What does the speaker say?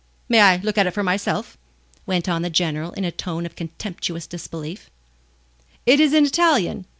"May I look at it for myself?" went on the General in a tone of contemptuous disbelief. "It is in Italian.